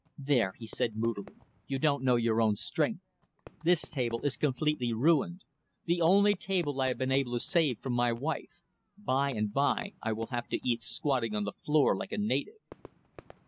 "There!" he said, moodily, "you don't know your own strength. This table is completely ruined. The only table I had been able to save from my wife. By and by I will have to eat squatting on the floor like a native."